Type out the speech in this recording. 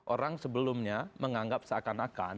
orang sebelumnya menganggap seakan akan